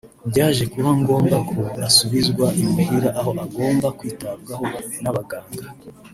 byaje kuba ngombwa ko asubizwa imuhira aho agomba kwitabwaho n’abaganga